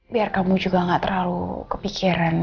biar kamu juga gak terlalu kepikiran